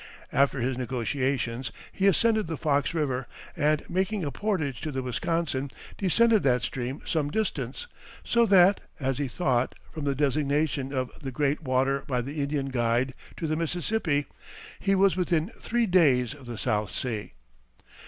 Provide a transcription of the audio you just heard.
After his negotiations he ascended the Fox River, and making a portage to the Wisconsin, descended that stream some distance, so that, as he thought, from the designation of "the great water" by the Indian guide to the Mississippi, he was within three days of the South Sea.